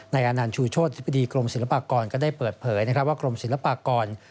ในอนานชูโชธธิบดีกรมศิลปากรก็ได้เปิดเผยนะครับว่ากรมศิลปากร